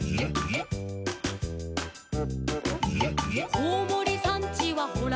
「こうもりさんちはほらあなで」